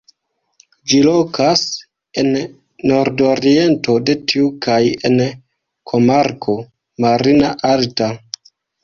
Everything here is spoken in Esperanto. Ĝi lokas en nordoriento de tiu kaj en komarko "Marina Alta".